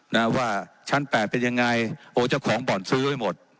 นะว่าชั้นแปดเป็นยังไงโอ้เจ้าของบ่อนซื้อไว้หมด